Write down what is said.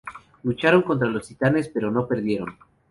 Lucharon contra los titanes, pero perdieron.